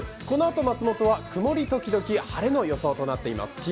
このあと松本は曇り時々晴れの予想となっています。